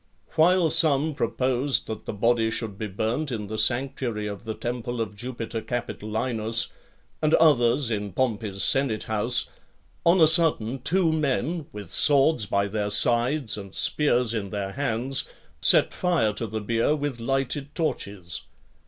While some proposed that the body should be burnt in the sanctuary of the temple of Jupiter Capitolinus, and others in Pompey's senate house; on a sudden, two men, with swords by their sides, and spears in their hands, set fire to the bier with lighted torches.